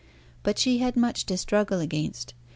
But she had much to struggle against.